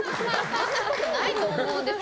そんなことないと思うんですよね。